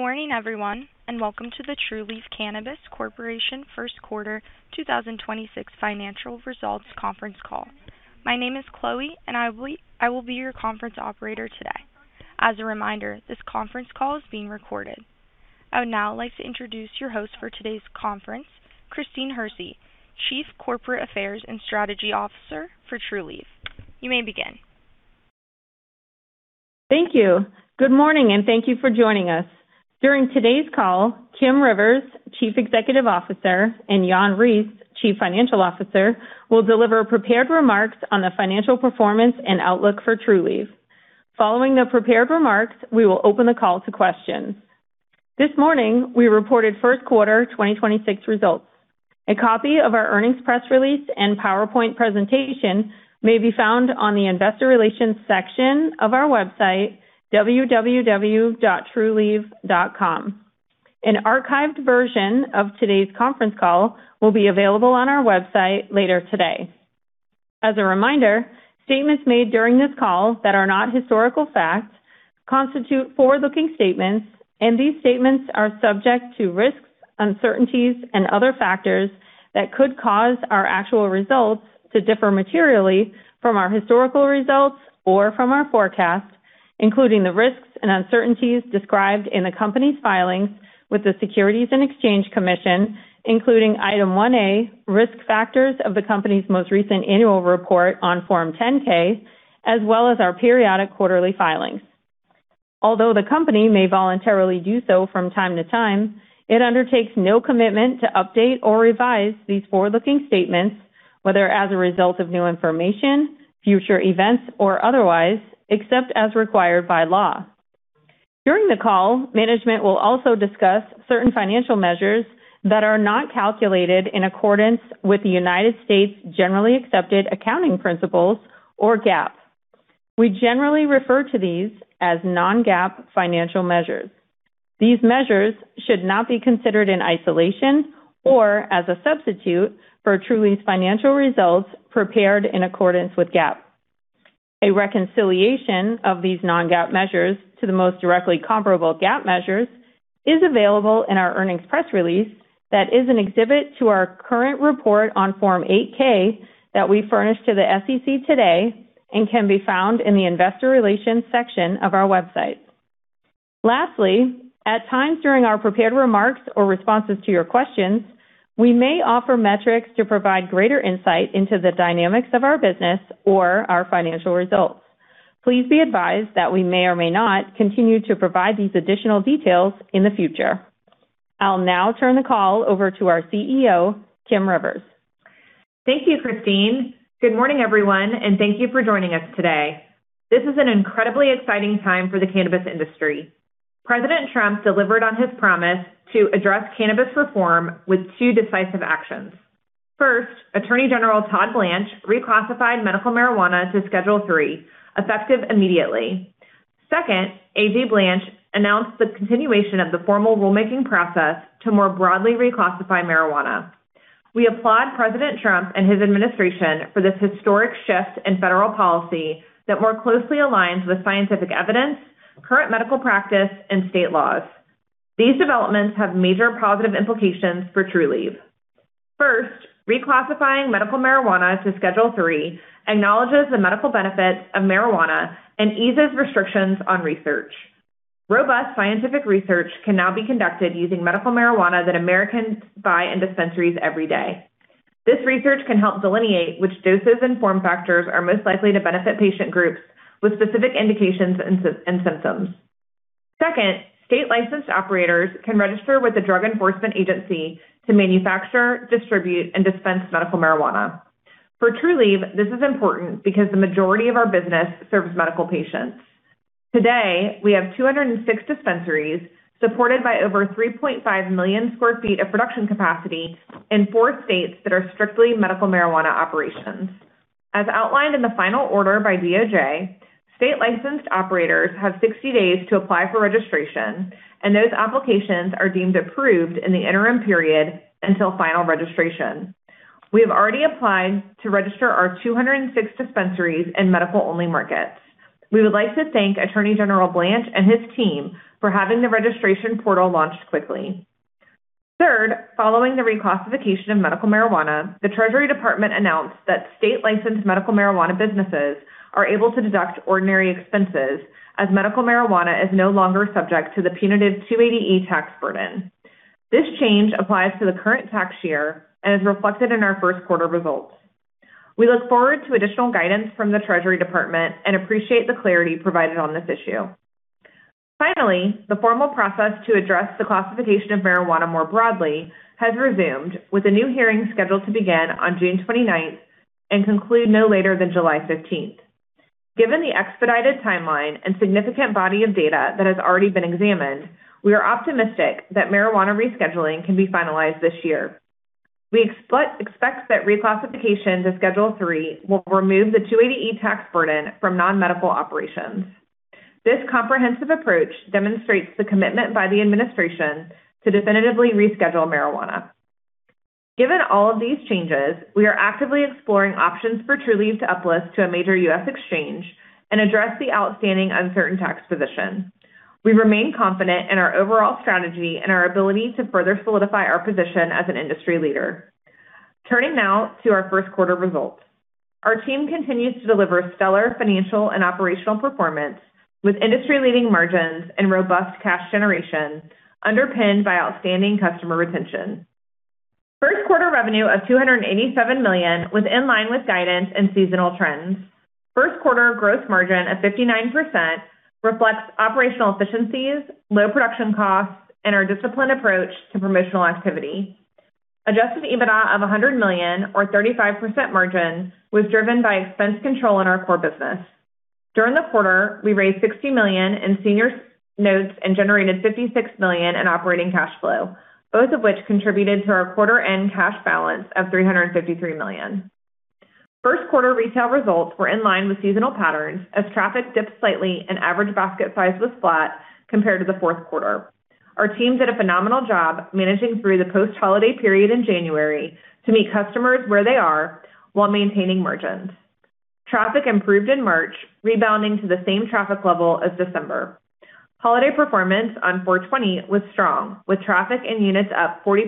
Good morning, everyone, and welcome to the Trulieve Cannabis Corp. First Quarter 2026 Financial Results Conference Call. My name is Chloe, and I will be your conference operator today. As a reminder, this conference call is being recorded. I would now like to introduce your host for today's conference, Christine Hersey, Chief Corporate Affairs and Strategy Officer for Trulieve. You may begin. Thank you. Good morning, and thank you for joining us. During today's call, Kim Rivers, Chief Executive Officer, and Jan Reese, Chief Financial Officer, will deliver prepared remarks on the financial performance and outlook for Trulieve. Following the prepared remarks, we will open the call to questions. This morning, we reported first quarter 2026 results. A copy of our earnings press release and PowerPoint presentation may be found on the investor relations section of our website, www.trulieve.com. An archived version of today's conference call will be available on our website later today. As a reminder, statements made during this call that are not historical facts constitute forward-looking statements. These statements are subject to risks, uncertainties, and other factors that could cause our actual results to differ materially from our historical results or from our forecasts, including the risks and uncertainties described in the company's filings with the Securities and Exchange Commission, including Item 1A, Risk Factors of the company's most recent annual report on Form 10-K, as well as our periodic quarterly filings. Although the company may voluntarily do so from time to time, it undertakes no commitment to update or revise these forward-looking statements, whether as a result of new information, future events, or otherwise, except as required by law. During the call, management will also discuss certain financial measures that are not calculated in accordance with the U.S. Generally Accepted Accounting Principles or GAAP. We generally refer to these as Non-GAAP financial measures. These measures should not be considered in isolation or as a substitute for Trulieve's financial results prepared in accordance with GAAP. A reconciliation of these Non-GAAP measures to the most directly comparable GAAP measures is available in our earnings press release that is an exhibit to our current report on Form 8-K that we furnished to the SEC today and can be found in the investor relations section of our website. Lastly, at times during our prepared remarks or responses to your questions, we may offer metrics to provide greater insight into the dynamics of our business or our financial results. Please be advised that we may or may not continue to provide these additional details in the future. I'll now turn the call over to our CEO, Kim Rivers. Thank you, Christine. Good morning, everyone, and thank you for joining us today. This is an incredibly exciting time for the cannabis industry. President Trump delivered on his promise to address cannabis reform with two decisive actions. First, Attorney General Todd Blanche reclassified medical marijuana to Schedule III, effective immediately. Second, AG Blanche announced the continuation of the formal rulemaking process to more broadly reclassify marijuana. We applaud President Trump and his administration for this historic shift in federal policy that more closely aligns with scientific evidence, current medical practice, and state laws. These developments have major positive implications for Trulieve. First, reclassifying medical marijuana to Schedule III acknowledges the medical benefits of marijuana and eases restrictions on research. Robust scientific research can now be conducted using medical marijuana that Americans buy in dispensaries every day. This research can help delineate which doses and form factors are most likely to benefit patient groups with specific indications and symptoms. Second, state licensed operators can register with the Drug Enforcement Administration to manufacture, distribute, and dispense medical marijuana. For Trulieve, this is important because the majority of our business serves medical patients. Today, we have 206 dispensaries supported by over 3.5 million square feet of production capacity in four states that are strictly medical marijuana operations. As outlined in the final order by DOJ, state licensed operators have 60 days to apply for registration. Those applications are deemed approved in the interim period until final registration. We have already applied to register our 206 dispensaries in medical-only markets. We would like to thank Attorney General Blanche and his team for having the registration portal launched quickly. Third, following the reclassification of medical marijuana, the Department of the Treasury announced that state-licensed medical marijuana businesses are able to deduct ordinary expenses as medical marijuana is no longer subject to the punitive 280E tax burden. This change applies to the current tax year and is reflected in our first quarter results. We look forward to additional guidance from the Department of the Treasury and appreciate the clarity provided on this issue. Finally, the formal process to address the classification of marijuana more broadly has resumed with a new hearing scheduled to begin on June 29th and conclude no later than July 15th. Given the expedited timeline and significant body of data that has already been examined, we are optimistic that marijuana rescheduling can be finalized this year. We expect that reclassification to Schedule III will remove the 280E tax burden from non-medical operations. This comprehensive approach demonstrates the commitment by the administration to definitively reschedule marijuana. Given all of these changes, we are actively exploring options for Trulieve to uplist to a major U.S. exchange and address the outstanding uncertain tax position. We remain confident in our overall strategy and our ability to further solidify our position as an industry leader. Turning now to our first quarter results. Our team continues to deliver stellar financial and operational performance with industry-leading margins and robust cash generation underpinned by outstanding customer retention. First quarter revenue of $287 million was in line with guidance and seasonal trends. First quarter gross margin of 59% reflects operational efficiencies, low production costs, and our disciplined approach to promotional activity. Adjusted EBITDA of $100 million, or 35% margin, was driven by expense control in our core business. During the quarter, we raised $60 million in senior notes and generated $56 million in operating cash flow, both of which contributed to our quarter-end cash balance of $353 million. First quarter retail results were in line with seasonal patterns as traffic dipped slightly and average basket size was flat compared to the fourth quarter. Our team did a phenomenal job managing through the post-holiday period in January to meet customers where they are while maintaining margins. Traffic improved in March, rebounding to the same traffic level as December. Holiday performance on 4/20 was strong, with traffic and units up 40%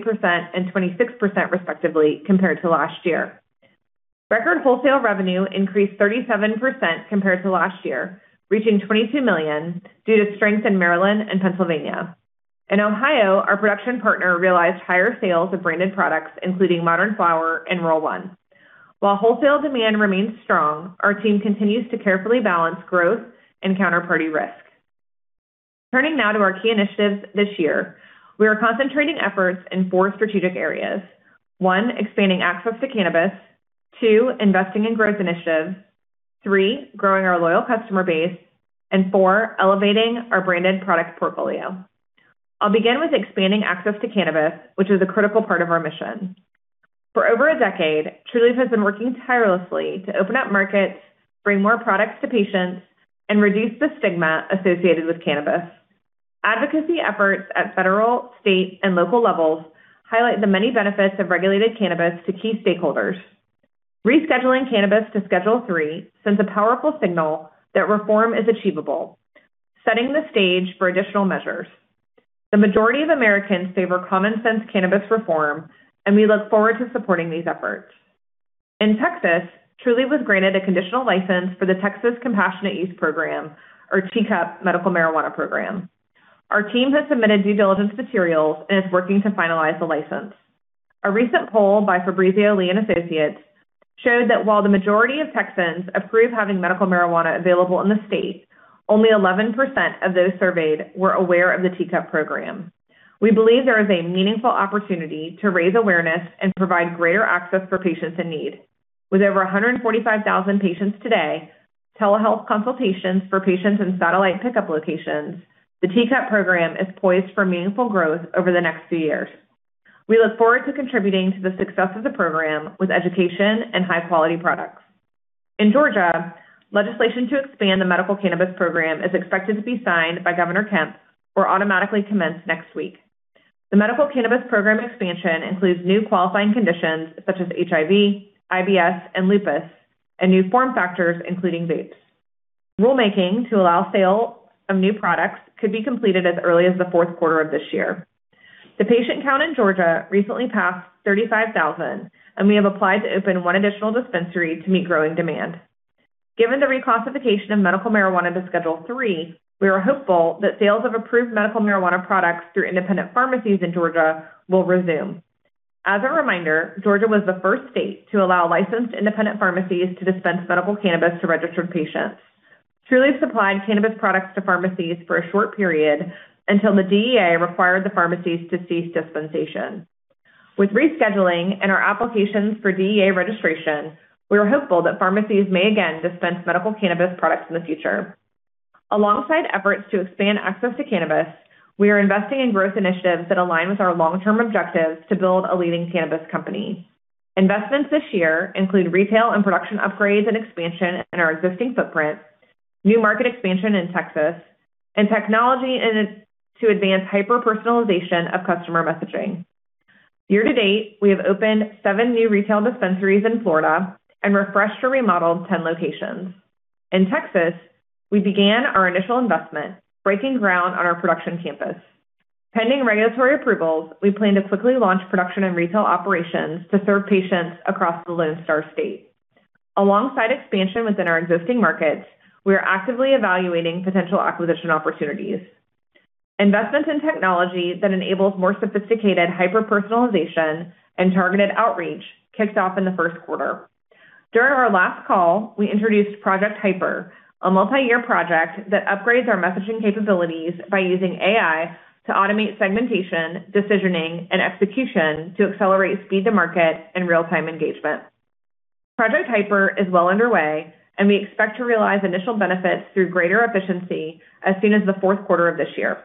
and 26% respectively compared to last year. Record wholesale revenue increased 37% compared to last year, reaching $22 million due to strength in Maryland and Pennsylvania. In Ohio, our production partner realized higher sales of branded products, including Modern Flower and Roll One. While wholesale demand remains strong, our team continues to carefully balance growth and counterparty risk. Turning now to our key initiatives this year, we are concentrating efforts in four strategic areas. One, expanding access to cannabis. Two, investing in growth initiatives. Three, growing our loyal customer base. Four, elevating our branded product portfolio. I'll begin with expanding access to cannabis, which is a critical part of our mission. For over a decade, Trulieve has been working tirelessly to open up markets, bring more products to patients, and reduce the stigma associated with cannabis. Advocacy efforts at federal, state, and local levels highlight the many benefits of regulated cannabis to key stakeholders. Rescheduling cannabis to Schedule III sends a powerful signal that reform is achievable, setting the stage for additional measures. The majority of Americans favor common sense cannabis reform, and we look forward to supporting these efforts. In Texas, Trulieve was granted a conditional license for the Texas Compassionate Use Program, or TCUP, medical marijuana program. Our team has submitted due diligence materials and is working to finalize the license. A recent poll by Fabrizio, Lee & Associates showed that while the majority of Texans approve having medical marijuana available in the state, only 11% of those surveyed were aware of the TCUP program. We believe there is a meaningful opportunity to raise awareness and provide greater access for patients in need. With over 145,000 patients today, telehealth consultations for patients in satellite pickup locations, the TCUP program is poised for meaningful growth over the next few years. We look forward to contributing to the success of the program with education and high-quality products. In Georgia, legislation to expand the medical cannabis program is expected to be signed by Governor Kemp or automatically commenced next week. The medical cannabis program expansion includes new qualifying conditions such as HIV, IBS, and lupus, and new form factors, including vapes. Rulemaking to allow sale of new products could be completed as early as the fourth quarter of this year. The patient count in Georgia recently passed 35,000, and we have applied to open one additional dispensary to meet growing demand. Given the reclassification of medical marijuana to Schedule III, we are hopeful that sales of approved medical marijuana products through independent pharmacies in Georgia will resume. As a reminder, Georgia was the first state to allow licensed independent pharmacies to dispense medical cannabis to registered patients. Trulieve supplied cannabis products to pharmacies for a short period until the DEA required the pharmacies to cease dispensation. With rescheduling and our applications for DEA registration, we are hopeful that pharmacies may again dispense medical cannabis products in the future. Alongside efforts to expand access to cannabis, we are investing in growth initiatives that align with our long-term objectives to build a leading cannabis company. Investments this year include retail and production upgrades and expansion in our existing footprint, new market expansion in Texas, and technology to advance hyper-personalization of customer messaging. Year to date, we have opened seven new retail dispensaries in Florida and refreshed or remodeled 10 locations. In Texas, we began our initial investment, breaking ground on our production campus. Pending regulatory approvals, we plan to quickly launch production and retail operations to serve patients across the Lone Star State. Alongside expansion within our existing markets, we are actively evaluating potential acquisition opportunities. Investment in technology that enables more sophisticated hyper-personalization and targeted outreach kicked off in the first quarter. During our last call, we introduced Project Hyper, a multi-year project that upgrades our messaging capabilities by using AI to automate segmentation, decisioning, and execution to accelerate speed to market and real-time engagement. Project Hyper is well underway, and we expect to realize initial benefits through greater efficiency as soon as the fourth quarter of this year.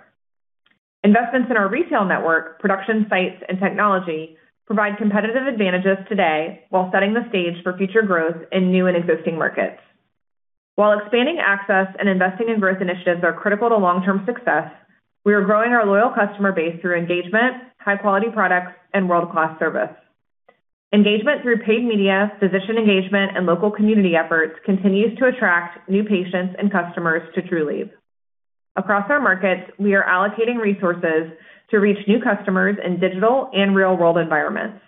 Investments in our retail network, production sites, and technology provide competitive advantages today while setting the stage for future growth in new and existing markets. While expanding access and investing in growth initiatives are critical to long-term success, we are growing our loyal customer base through engagement, high-quality products, and world-class service. Engagement through paid media, physician engagement, and local community efforts continues to attract new patients and customers to Trulieve. Across our markets, we are allocating resources to reach new customers in digital and real-world environments.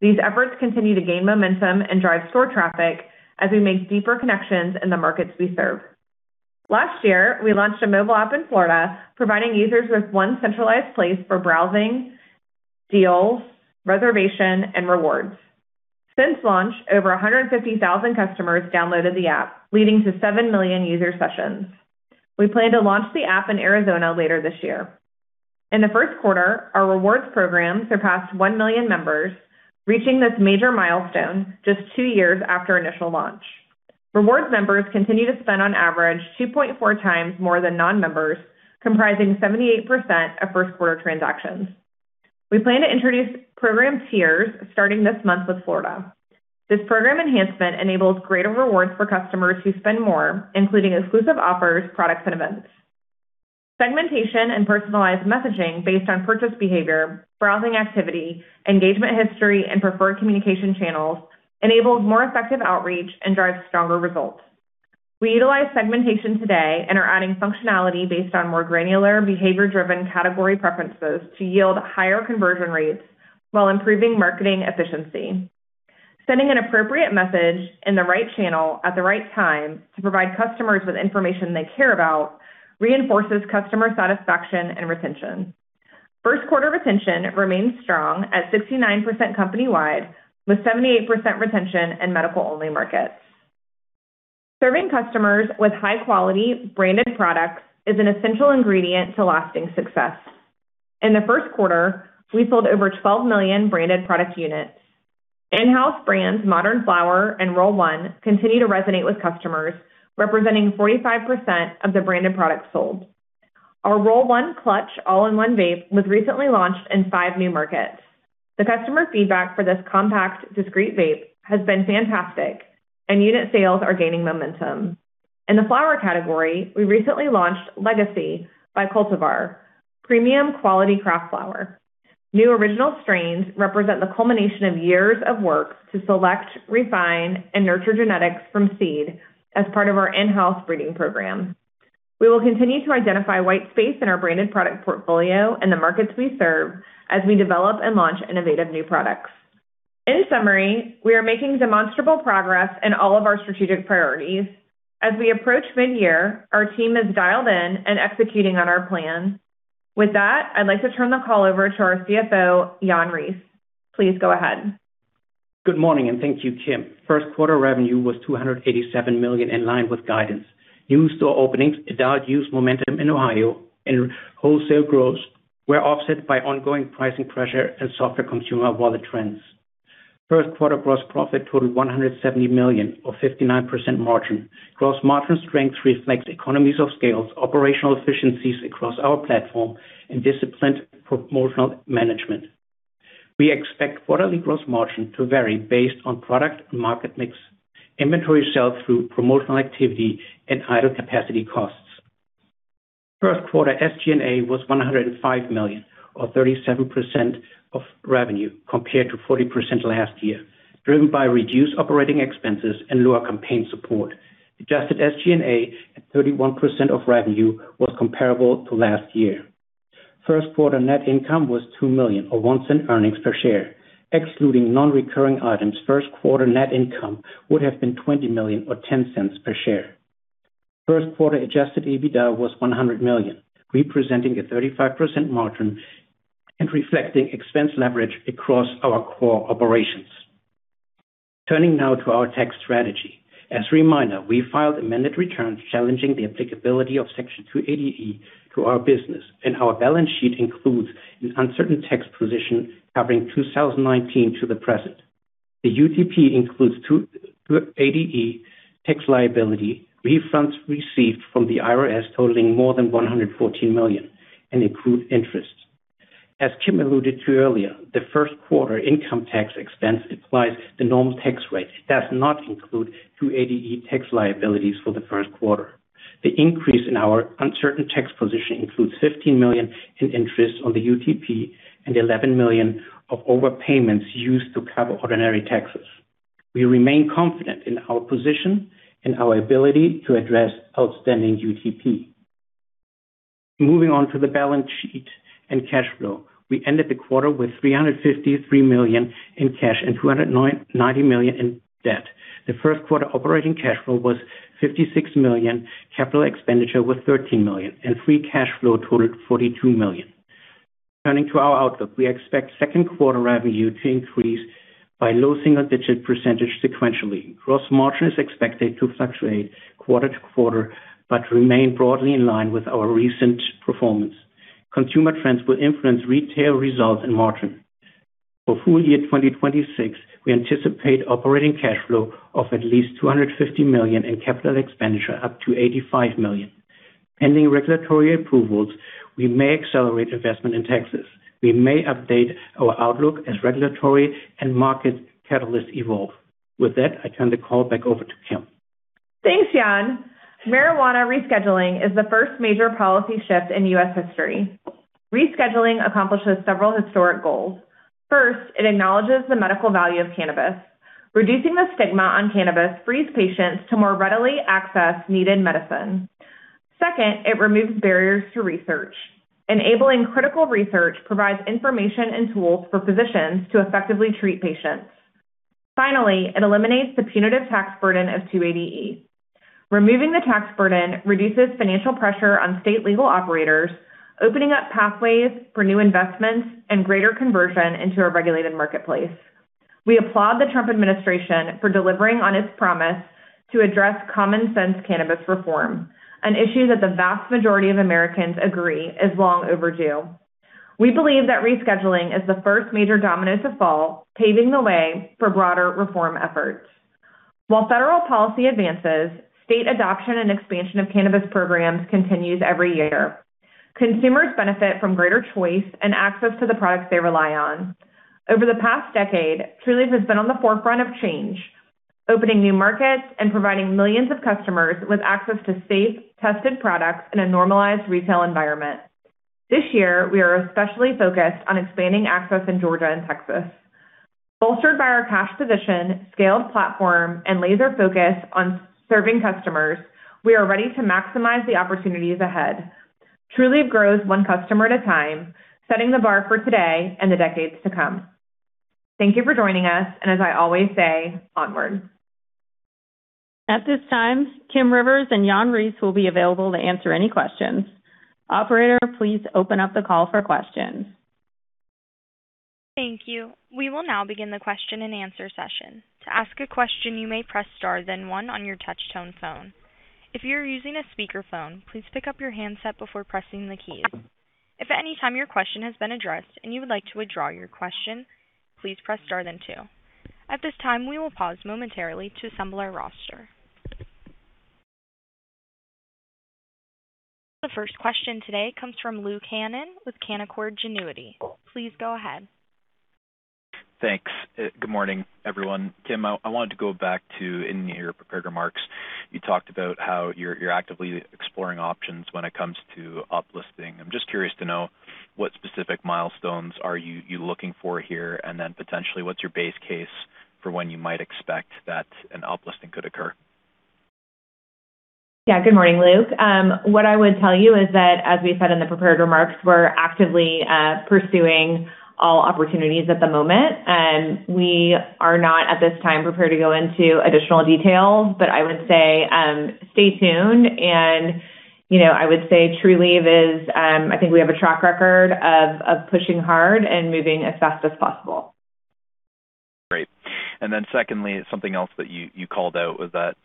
These efforts continue to gain momentum and drive store traffic as we make deeper connections in the markets we serve. Last year, we launched a mobile app in Florida, providing users with one centralized place for browsing, deals, reservation, and rewards. Since launch, over 150,000 customers downloaded the app, leading to 7 million user sessions. We plan to launch the app in Arizona later this year. In the first quarter, our rewards program surpassed 1 million members, reaching this major milestone just two years after initial launch. Rewards members continue to spend on average 2.4 times more than non-members, comprising 78% of first-quarter transactions. We plan to introduce program tiers starting this month with Florida. This program enhancement enables greater rewards for customers who spend more, including exclusive offers, products, and events. Segmentation and personalized messaging based on purchase behavior, browsing activity, engagement history, and preferred communication channels enables more effective outreach and drives stronger results. We utilize segmentation today and are adding functionality based on more granular, behavior-driven category preferences to yield higher conversion rates while improving marketing efficiency. Sending an appropriate message in the right channel at the right time to provide customers with information they care about reinforces customer satisfaction and retention. First quarter retention remains strong at 69% company-wide, with 78% retention in medical-only markets. Serving customers with high-quality branded products is an essential ingredient to lasting success. In the first quarter, we sold over 12 million branded product units. In-house brands, Modern Flower and Roll One, continue to resonate with customers, representing 45% of the branded products sold. Our Roll One Clutch all-in-one vape was recently launched in five new markets. The customer feedback for this compact, discreet vape has been fantastic and unit sales are gaining momentum. In the flower category, we recently launched Legacy by Cultivar, premium-quality craft flower. New original strains represent the culmination of years of work to select, refine, and nurture genetics from seed as part of our in-house breeding program. We will continue to identify white space in our branded product portfolio and the markets we serve as we develop and launch innovative new products. In summary, we are making demonstrable progress in all of our strategic priorities. As we approach mid-year, our team is dialed in and executing on our plan. With that, I'd like to turn the call over to our CFO, Jan Reese. Please go ahead. Good morning. Thank you, Kim. First quarter revenue was $287 million, in line with guidance. New store openings, adult-use momentum in Ohio, and wholesale growth were offset by ongoing pricing pressure and softer consumer wallet trends. First quarter gross profit totaled $170 million or 59% margin. Gross margin strength reflects economies of scales, operational efficiencies across our platform, and disciplined promotional management. We expect quarterly gross margin to vary based on product and market mix, inventory sell-through, promotional activity, and idle capacity costs. First quarter SG&A was $105 million or 37% of revenue compared to 40% last year, driven by reduced operating expenses and lower campaign support. Adjusted SG&A at 31% of revenue was comparable to last year. First quarter net income was $2 million or $0.01 earnings per share. Excluding non-recurring items, first quarter net income would have been $20 million or $0.10 per share. First quarter adjusted EBITDA was $100 million, representing a 35% margin and reflecting expense leverage across our core operations. Turning now to our tax strategy. As a reminder, we filed amended returns challenging the applicability of Section 280E to our business, and our balance sheet includes an uncertain tax position covering 2019 to the present. The UTP includes 280E tax liability, refunds received from the IRS totaling more than $114 million, and accrued interest. As Kim alluded to earlier, the first quarter income tax expense applies the normal tax rate. It does not include 280E tax liabilities for the first quarter. The increase in our uncertain tax position includes $15 million in interest on the UTP and $11 million of overpayments used to cover ordinary taxes. We remain confident in our position and our ability to address outstanding UTP. Moving on to the balance sheet and cash flow. We ended the quarter with $353 million in cash and $290 million in debt. The first quarter operating cash flow was $56 million, capital expenditure was $13 million, and free cash flow totaled $42 million. Turning to our outlook, we expect second quarter revenue to increase by low single-digit percentage sequentially. Gross margin is expected to fluctuate quarter to quarter but remain broadly in line with our recent performance. Consumer trends will influence retail results and margin. For full year 2026, we anticipate operating cash flow of at least $250 million and capital expenditure up to $85 million. Pending regulatory approvals, we may accelerate investment in Texas. We may update our outlook as regulatory and market catalysts evolve. With that, I turn the call back over to Kim. Thanks, Jan. Marijuana rescheduling is the first major policy shift in U.S. history. Rescheduling accomplishes several historic goals. First, it acknowledges the medical value of cannabis. Reducing the stigma on cannabis frees patients to more readily access needed medicine. Second, it removes barriers to research. Enabling critical research provides information and tools for physicians to effectively treat patients. Finally, it eliminates the punitive tax burden of 280E. Removing the tax burden reduces financial pressure on state-legal operators, opening up pathways for new investments and greater conversion into a regulated marketplace. We applaud the Trump administration for delivering on its promise to address common-sense cannabis reform, an issue that the vast majority of Americans agree is long overdue. We believe that rescheduling is the first major domino to fall, paving the way for broader reform efforts. While federal policy advances, state adoption and expansion of cannabis programs continues every year. Consumers benefit from greater choice and access to the products they rely on. Over the past decade, Trulieve has been on the forefront of change, opening new markets and providing millions of customers with access to safe, tested products in a normalized retail environment. This year, we are especially focused on expanding access in Georgia and Texas. Bolstered by our cash position, scaled platform, and laser focus on serving customers, we are ready to maximize the opportunities ahead. Trulieve grows one customer at a time, setting the bar for today and the decades to come. Thank you for joining us, and as I always say, onward. At this time, Kim Rivers and Jan Reese will be available to answer any questions. Operator, please open up the call for questions. Thank you. We will now begin the question-and-answer session. To ask a question, you may press star then one on your touch tone phone. If you are using a speakerphone, please pick up your handset before pressing the keys. If at any time your question has been addressed and you would like to withdraw your question, please press star then two. At this time, we will pause momentarily to assemble our roster. The first question today comes from Luke Hannan with Canaccord Genuity. Please go ahead. Thanks. Good morning, everyone. Kim, I wanted to go back to in your prepared remarks, you talked about how you're actively exploring options when it comes to up-listing. I'm just curious to know what specific milestones are you looking for here, then potentially what's your base case for when you might expect that an up-listing could occur? Yeah. Good morning, Luke. What I would tell you is that, as we said in the prepared remarks, we're actively pursuing all opportunities at the moment. We are not at this time prepared to go into additional detail, but I would say, stay tuned and, you know, I would say Trulieve is, I think we have a track record of pushing hard and moving as fast as possible. Great. Secondly, something else that you called out was that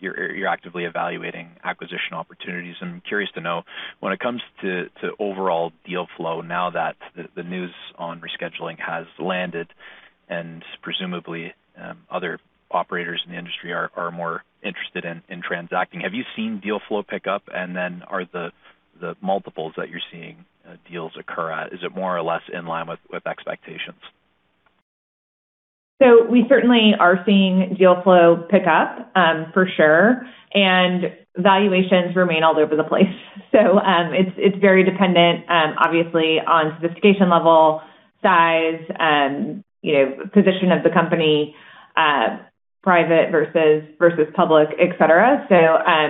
you're actively evaluating acquisition opportunities. I'm curious to know when it comes to overall deal flow now that the news on rescheduling has landed and presumably, other operators in the industry are more interested in transacting, have you seen deal flow pick up? Are the multiples that you're seeing deals occur at, is it more or less in line with expectations? We certainly are seeing deal flow pick up, for sure, and valuations remain all over the place. It's very dependent, obviously on sophistication level, size, you know, position of the company, private versus public, et cetera.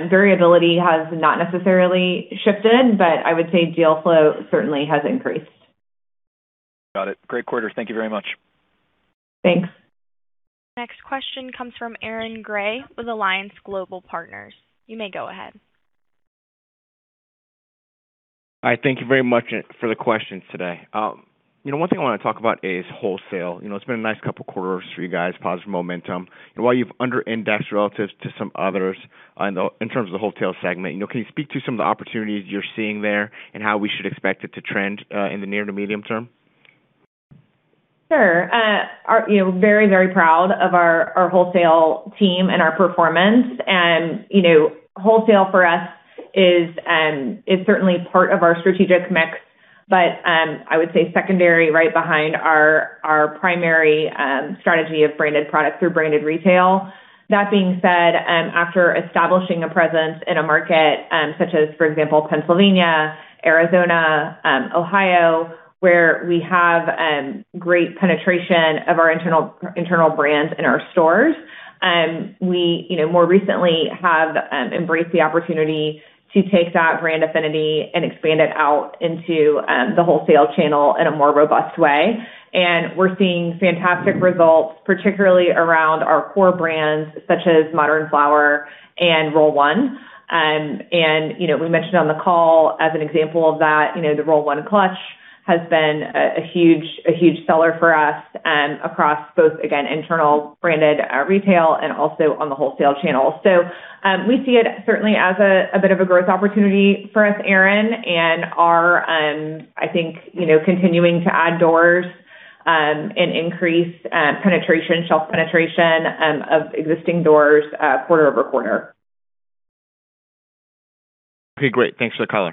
Variability has not necessarily shifted, but I would say deal flow certainly has increased. Got it. Great quarter. Thank you very much. Thanks. Next question comes from Aaron Grey with Alliance Global Partners. You may go ahead. All right. Thank you very much for the questions today. You know, 1 thing I wanna talk about is wholesale. You know, it's been a nice couple quarters for you guys, positive momentum. While you've under-indexed relative to some others in terms of the wholesale segment, you know, can you speak to some of the opportunities you're seeing there and how we should expect it to trend in the near to medium term? Sure. You know, very proud of our wholesale team and our performance. You know, wholesale for us is certainly part of our strategic mix, but I would say secondary right behind our primary strategy of branded products through branded retail. That being said, after establishing a presence in a market, such as, for example, Pennsylvania, Arizona, Ohio, where we have great penetration of our internal brands in our stores, we, you know, more recently have embraced the opportunity to take that brand affinity and expand it out into the wholesale channel in a more robust way. We're seeing fantastic results, particularly around our core brands such as Modern Flower and Roll One. You know, we mentioned on the call as an example of that, you know, the Roll One Clutch has been a huge seller for us, across both, again, internal branded, retail and also on the wholesale channel. We see it certainly as a bit of a growth opportunity for us, Aaron, and are, I think, you know, continuing to add doors and increase, penetration, shelf penetration, of existing doors, quarter-over-quarter. Okay, great. Thanks for the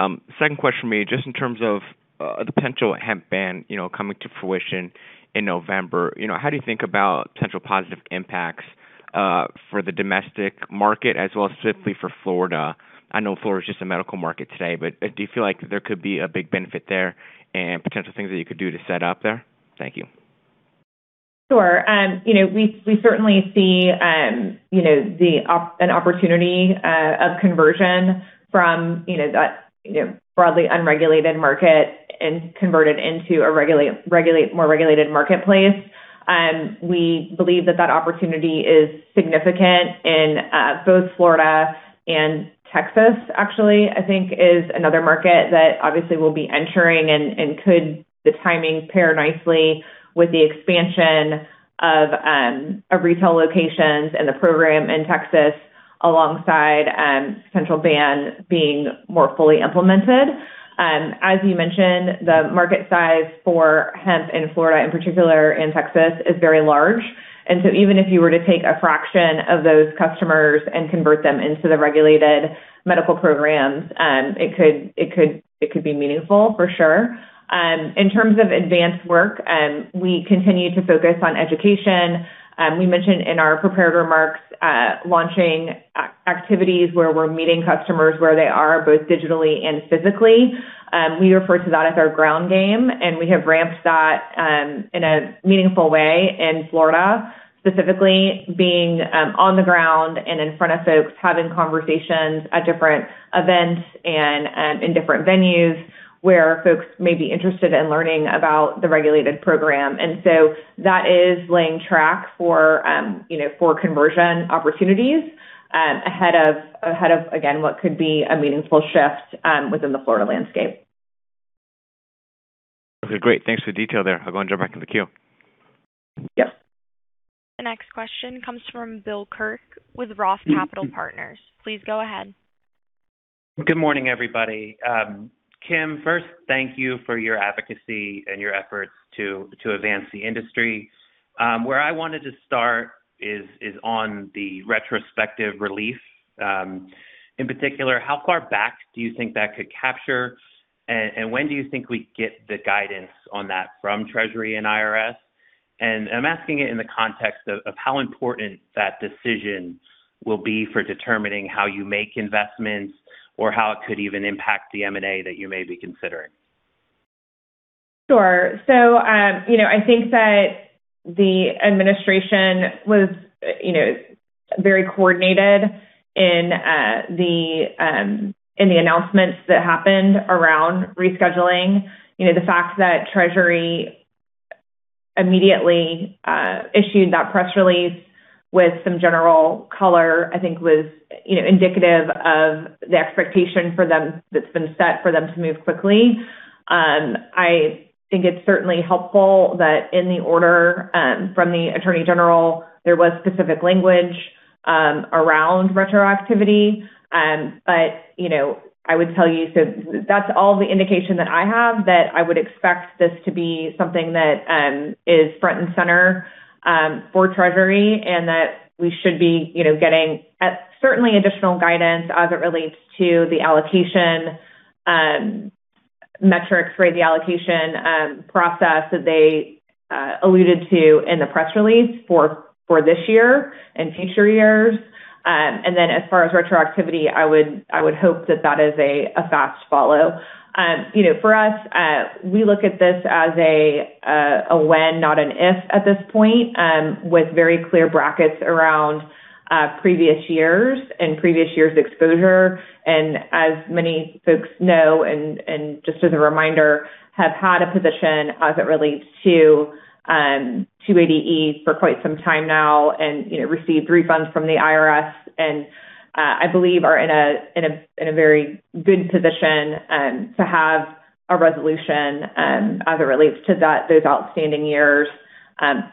color. 2nd question for me, just in terms of the potential hemp ban, you know, coming to fruition in November. You know, how do you think about potential positive impacts for the domestic market as well as specifically for Florida? I know Florida is just a medical market today, but do you feel like there could be a big benefit there and potential things that you could do to set up there? Thank you. Sure. We certainly see an opportunity of conversion from that broadly unregulated market and converted into a more regulated marketplace. We believe that that opportunity is significant in both Florida and Texas, actually, I think is another market that obviously we'll be entering and could the timing pair nicely with the expansion of retail locations and the program in Texas alongside Senate bill being more fully implemented. As you mentioned, the market size for hemp in Florida, in particular in Texas, is very large. Even if you were to take a fraction of those customers and convert them into the regulated medical programs, it could be meaningful for sure. In terms of advanced work, we continue to focus on education. We mentioned in our prepared remarks, launching activities where we're meeting customers where they are, both digitally and physically. We refer to that as our ground game, and we have ramped that in a meaningful way in Florida, specifically being on the ground and in front of folks, having conversations at different events and in different venues where folks may be interested in learning about the regulated program. That is laying track for, you know, for conversion opportunities, ahead of, ahead of, again, what could be a meaningful shift within the Florida landscape. Okay, great. Thanks for the detail there. I'll go and jump back in the queue. Yep. The next question comes from Bill Kirk with Roth Capital Partners. Please go ahead. Good morning, everybody. Kim, first, thank you for your advocacy and your efforts to advance the industry. Where I wanted to start is on the retrospective relief. In particular, how far back do you think that could capture? When do you think we'd get the guidance on that from Treasury and IRS? I'm asking it in the context of how important that decision will be for determining how you make investments or how it could even impact the M&A that you may be considering. Sure. You know, I think that the administration was, you know, very coordinated in the announcements that happened around rescheduling. You know, the fact that Treasury immediately issued that press release with some general color, I think was, you know, indicative of the expectation for them that's been set for them to move quickly. I think it's certainly helpful that in the order from the Attorney General, there was specific language around retroactivity. You know, I would tell you, that's all the indication that I have, that I would expect this to be something that is front and center for Treasury and that we should be, you know, getting certainly additional guidance as it relates to the allocation metrics for the allocation process that they alluded to in the press release for this year and future years. As far as retroactivity, I would hope that that is a fast follow. You know, for us, we look at this as a when, not an if at this point, with very clear brackets around previous years and previous years exposure. As many folks know, and just as a reminder, have had a position as it relates to 280E for quite some time now and, you know, received refunds from the IRS and I believe are in a very good position to have a resolution as it relates to that, those outstanding years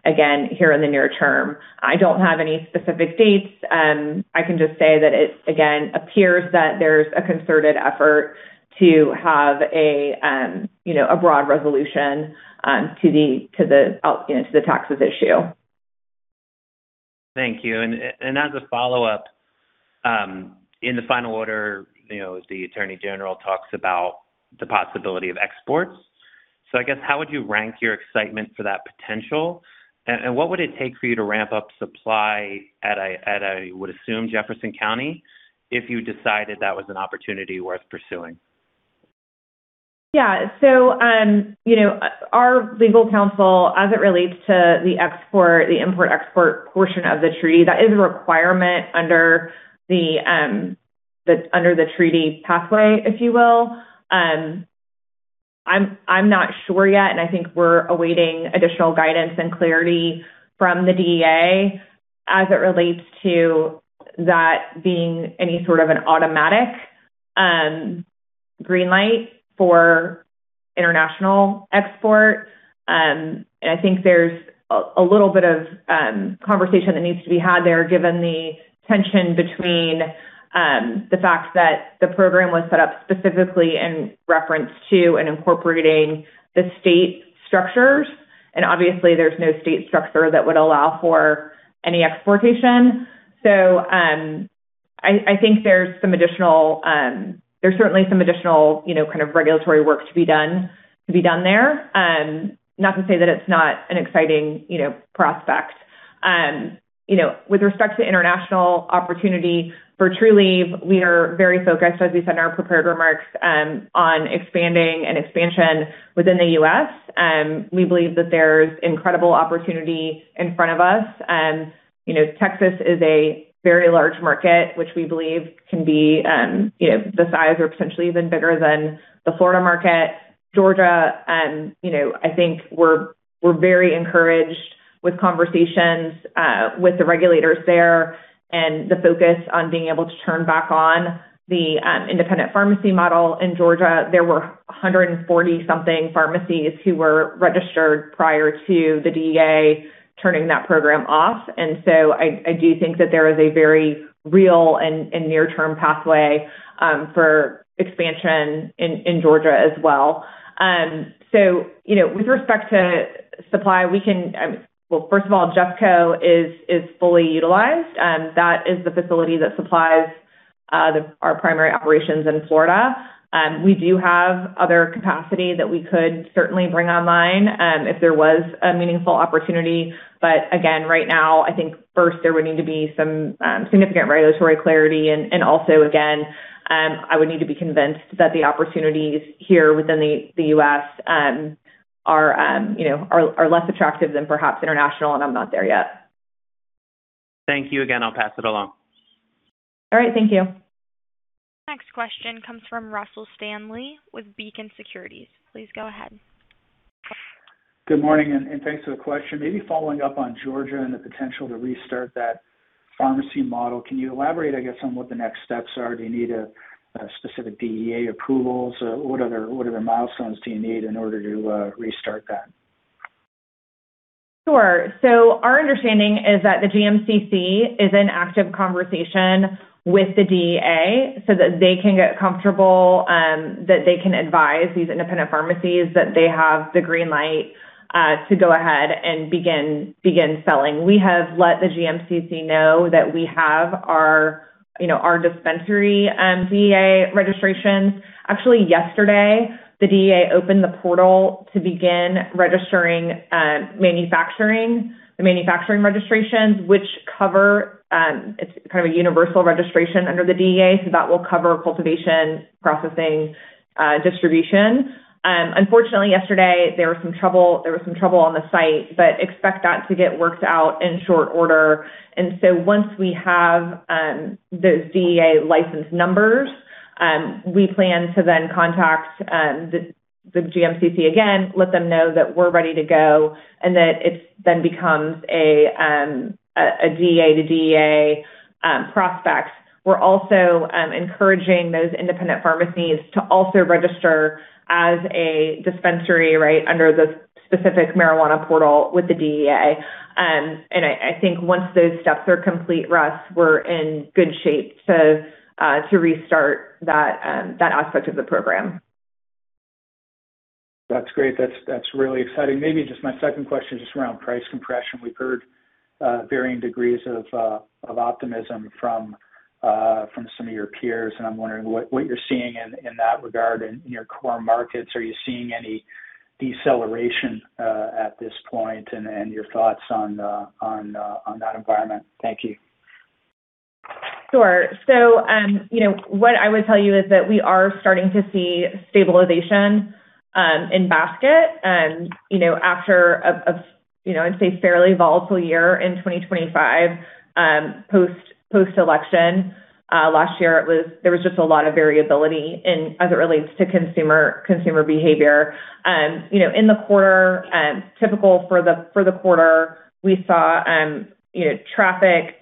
again, here in the near term. I don't have any specific dates. I can just say that it again appears that there's a concerted effort to have a, you know, a broad resolution, you know, to the taxes issue. Thank you. As a follow-up, in the final order, you know, the Attorney General talks about the possibility of exports. I guess, how would you rank your excitement for that potential? What would it take for you to ramp up supply at a, I would assume, Jefferson County if you decided that was an opportunity worth pursuing? Yeah. You know, our legal counsel, as it relates to the export, the import-export portion of the treaty, that is a requirement under the, that's under the treaty pathway, if you will. I'm not sure yet, I think we're awaiting additional guidance and clarity from the DEA as it relates to that being any sort of an automatic green light for international export. I think there's a little bit of conversation that needs to be had there given the tension between the fact that the program was set up specifically in reference to and incorporating the state structures, obviously, there's no state structure that would allow for any exportation. I think there's some additional, there's certainly some additional, you know, kind of regulatory work to be done there. Not to say that it's not an exciting, you know, prospect. You know, with respect to international opportunity for Trulieve, we are very focused, as we said in our prepared remarks, on expanding and expansion within the U.S. We believe that there's incredible opportunity in front of us. You know, Texas is a very large market, which we believe can be, you know, the size or potentially even bigger than the Florida market. Georgia, you know, I think we're very encouraged with conversations with the regulators there and the focus on being able to turn back on the independent pharmacy model. In Georgia, there were 140 something pharmacies who were registered prior to the DEA turning that program off. I do think that there is a very real and near-term pathway for expansion in Georgia as well. You know, with respect to supply, we can Well, first of all, JeffCo is fully utilized. That is the facility that supplies our primary operations in Florida. We do have other capacity that we could certainly bring online if there was a meaningful opportunity. Again, right now, I think first there would need to be some significant regulatory clarity and also, again, I would need to be convinced that the opportunities here within the U.S. are, you know, less attractive than perhaps international, and I'm not there yet. Thank you again. I'll pass it along. All right. Thank you. Next question comes from Russell Stanley with Beacon Securities. Please go ahead. Good morning, and thanks for the question. Maybe following up on Georgia and the potential to restart that pharmacy model, can you elaborate, I guess, on what the next steps are? Do you need a specific DEA approvals? What other milestones do you need in order to restart that? Our understanding is that the GMCC is in active conversation with the DEA so that they can get comfortable, that they can advise these independent pharmacies that they have the green light to go ahead and begin selling. We have let the GMCC know that we have our, you know, our dispensary DEA registration. Actually, yesterday, the DEA opened the portal to begin registering manufacturing, the manufacturing registrations, which cover, it's kind of a universal registration under the DEA, so that will cover cultivation, processing, distribution. Unfortunately, yesterday there was some trouble on the site, but expect that to get worked out in short order. Once we have those DEA license numbers, we plan to then contact the GMCC again, let them know that we're ready to go, and that it then becomes a DEA to DEA prospect. We're also encouraging those independent pharmacies to also register as a dispensary, right, under the specific marijuana portal with the DEA. I think once those steps are complete, Russ, we're in good shape to restart that aspect of the program. That's great. That's really exciting. Maybe just my second question, just around price compression. We've heard varying degrees of optimism from some of your peers, and I'm wondering what you're seeing in that regard in your core markets. Are you seeing any deceleration at this point, and your thoughts on that environment? Thank you. Sure. You know, what I would tell you is that we are starting to see stabilization in basket, you know, after a fairly volatile year in 2025, post-election. Last year there was just a lot of variability in, as it relates to consumer behavior. You know, in the quarter, typical for the quarter, we saw, you know, traffic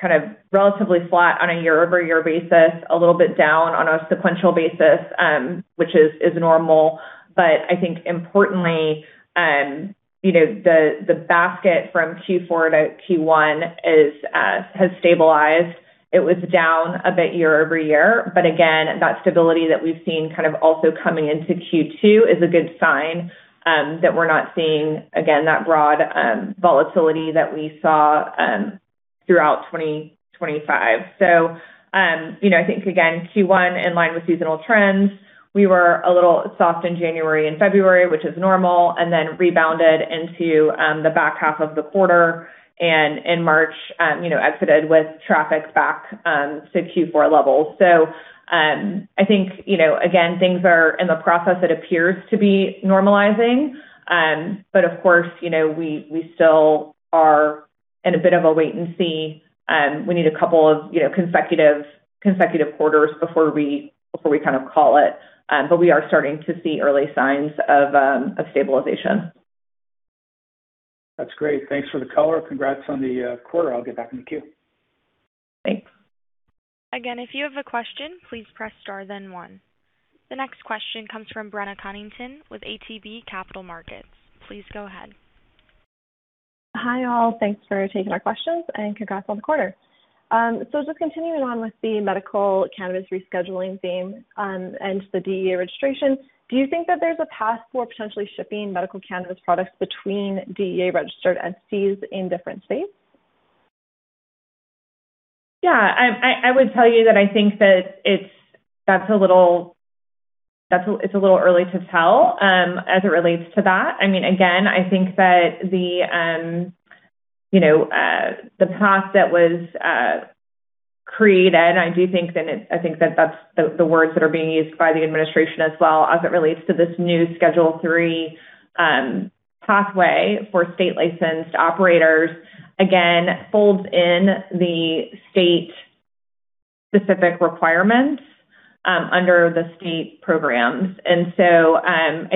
kind of relatively flat on a year-over-year basis, a little bit down on a sequential basis, which is normal. I think importantly, you know, the basket from Q4 to Q1 has stabilized. It was down a bit year-over-year, but again, that stability that we've seen kind of also coming into Q2 is a good sign that we're not seeing, again, that broad volatility that we saw throughout 2025. You know, I think again, Q1, in line with seasonal trends, we were a little soft in January and February, which is normal, and then rebounded into the back half of the quarter and in March, exited with traffic back to Q4 levels. I think, you know, again, things are in the process. It appears to be normalizing. Of course, you know, we still are in a bit of a wait and see. We need a couple of, you know, consecutive quarters before we kind of call it. We are starting to see early signs of stabilization. That's great. Thanks for the color. Congrats on the quarter. I'll get back in the queue. Thanks. Again, if you have a question, please press star then one. The next question comes from Frederico Gomes with ATB Capital Markets. Please go ahead. Hi, all. Thanks for taking our questions. Congrats on the quarter. Just continuing on with the medical cannabis rescheduling theme, and the DEA registration, do you think that there's a path for potentially shipping medical cannabis products between DEA-registered entities in different states? Yeah, I would tell you that I think that it's a little early to tell as it relates to that. I mean, again, I think that the, you know, the path that was created, I do think that I think that that's the words that are being used by the administration as well as it relates to this new Schedule III pathway for state-licensed operators, again, folds in the state-specific requirements under the state programs. I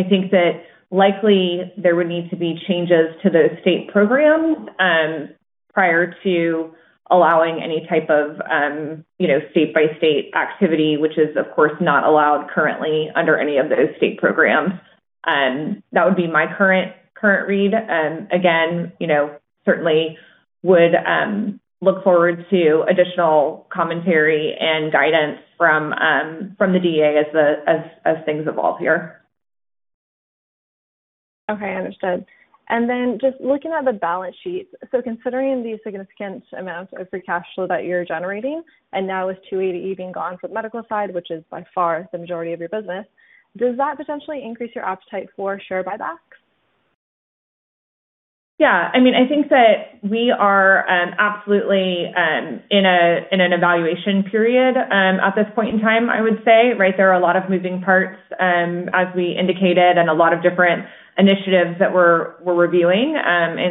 think that likely there would need to be changes to those state programs prior to allowing any type of, you know, state-by-state activity, which is of course not allowed currently under any of those state programs. That would be my current read. Again, you know, certainly would look forward to additional commentary and guidance from the DEA as things evolve here. Okay. Understood. Just looking at the balance sheet. Considering the significant amounts of free cash flow that you're generating, and now with 280E being gone from medical side, which is by far the majority of your business, does that potentially increase your appetite for share buybacks? Yeah, I mean, I think that we are absolutely in an evaluation period at this point in time, I would say, right? There are a lot of moving parts, as we indicated, and a lot of different initiatives that we're reviewing,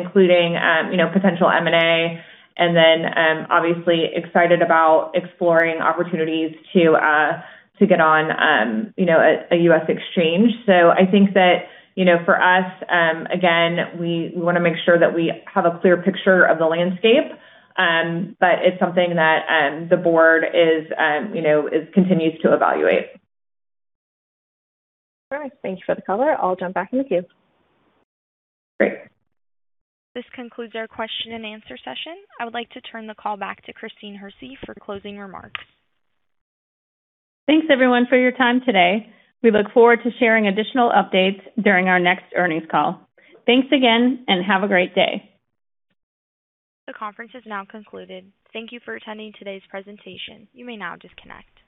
including, you know, potential M&A and then, obviously excited about exploring opportunities to get on, you know, a U.S. exchange. I think that, you know, for us, again, we wanna make sure that we have a clear picture of the landscape. It's something that the board is, you know, continues to evaluate. All right. Thank you for the color. I'll jump back in the queue. Great. This concludes our question and answer session. I would like to turn the call back to Christine Hersey for closing remarks. Thanks everyone for your time today. We look forward to sharing additional updates during our next earnings call. Thanks again, and have a great day. The conference has now concluded. Thank you for attending today's presentation. You may now disconnect.